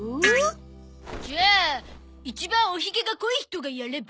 じゃあ一番おヒゲが濃い人がやれば？